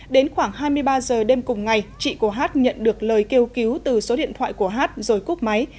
đến khoảng hai mươi ba giờ đêm cùng ngày chị của hát nhận được lời kêu cứu từ số điện thoại của hát rồi cúp máy